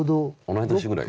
同い年ぐらい。